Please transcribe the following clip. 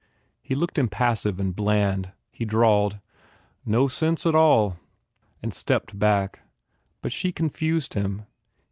He looked impassive and bland. He drawled, "No sense at all," and stepped back. But she confused him.